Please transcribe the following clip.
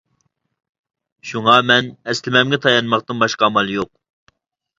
شۇڭا مەن ئەسلىمەمگە تايانماقتىن باشقا ئامال يوق.